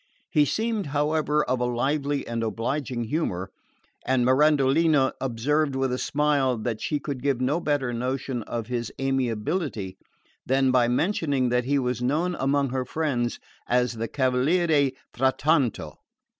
He seemed, however, of a lively and obliging humour, and Mirandolina observed with a smile that she could give no better notion of his amiability than by mentioning that he was known among her friends as the Cavaliere Frattanto.